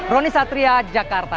roni satria jakarta